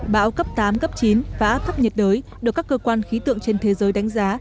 bão cấp tám cấp chín và áp thấp nhiệt đới được các cơ quan khí tượng trên thế giới đánh giá